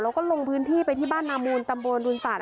แล้วก็ลงพื้นที่ไปที่บ้านนามูลตำบลรุนศาสต